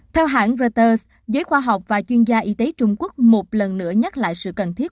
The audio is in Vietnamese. theo hãng reuters giới khoa học và chuyên gia y tế trung quốc một lần nữa nhắc lại sự cần thiết